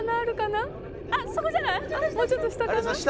「もうちょっと下かな？」